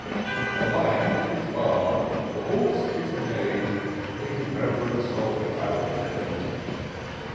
The Lamb, it baaM, the Horse, it neigh'd. In rev'rence of the cavalcade.